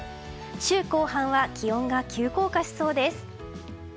週後半は気温が急降下しそうです。